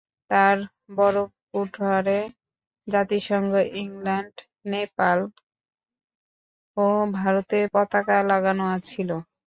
তার বরফ-কুঠারে জাতিসংঘ, ইংল্যান্ড, নেপাল ও ভারতের পতাকা লাগানো ছিল।